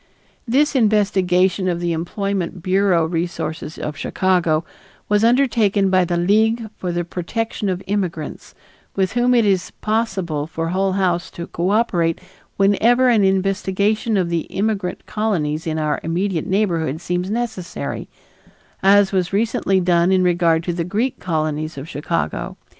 This investigation of the employment bureau resources of Chicago was undertaken by the League for the Protection of Immigrants, with whom it is possible for Hull House to cooperate whenever an investigation of the immigrant colonies in our immediate neighborhood seems necessary, as was recently done in regard to the Greek colonies of Chicago.